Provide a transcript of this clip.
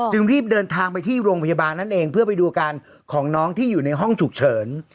รีบเดินทางไปที่โรงพยาบาลนั่นเองเพื่อไปดูอาการของน้องที่อยู่ในห้องฉุกเฉิน